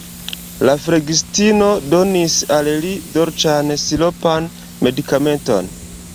La flegistino donis al li dolĉan, siropan medikamenton.